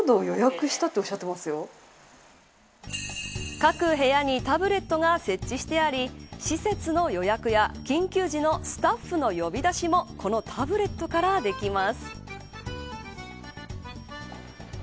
各部屋にタブレットが設置してあり施設の予約や、緊急時のスタッフの呼び出しもこのタブレットからできます。